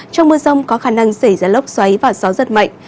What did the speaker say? trong mưa rông có khả năng xảy ra lốc xoáy và gió giật mạnh